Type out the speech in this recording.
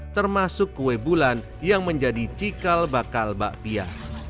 termasuk kue bulan yang menjadi cikal bakal bakpia